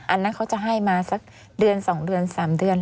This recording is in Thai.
อันนั้นเขาจะให้มาสักเดือน๒เดือน๓เดือน